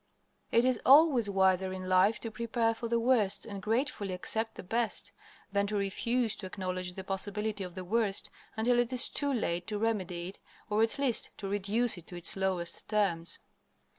It is always wiser in life to prepare for the worst and gratefully accept the best, than to refuse to acknowledge the possibility of the worst until it is too late to remedy it, or at least to reduce it to its lowest terms.